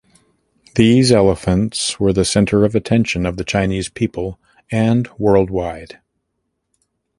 These elephants were the center of attention of the Chinese people and worldwide.